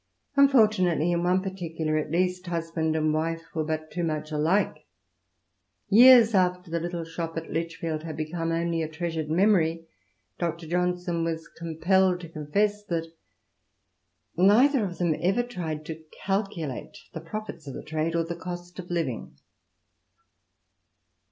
'* Unfortunately, in one particular at least, husband and wife were but too much alike; years after the little shop at Lichfield had become only a treasured memory. Dr. Johnson was compelled to confesa that " neither of them ever tried to calculate the profits of trade or the cost of living.'